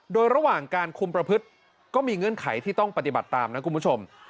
โดยระหว่างการคุมประพฤติก็มีเงื่อนไขที่ต้องปฏิบัติตามนะคุณผู้ชม